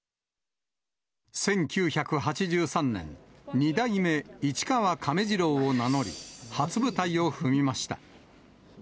１９８３年、二代目市川亀治郎を名乗り、初舞台を踏みました。